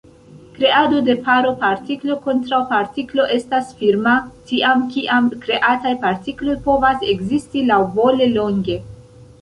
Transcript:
Kreado de paro partiklo-kontraŭpartiklo estas firma tiam, kiam kreataj partikloj povas ekzisti laŭvole longe.